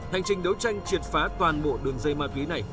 hành trình đấu tranh triệt phá toàn bộ đường dây ma túy này